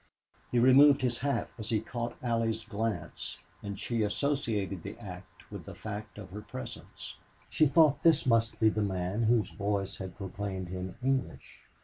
He removed his hat as he caught Allie's glance, and she associated the act with the fact of her presence. She thought that this must be the man whose voice had proclaimed him English.